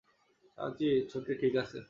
চাচি, ছোটি ঠিক আছে।